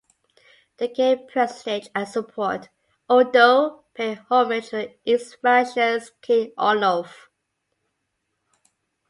To gain prestige and support, Odo paid homage to the East Francia's King Arnulf.